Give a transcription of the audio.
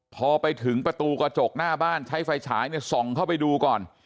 พอไปถึงประตูกระจกหน้าบ้านใช้ไฟฉายส่องเข้าไปดูก่อน